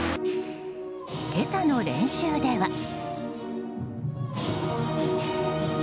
今朝の練習では。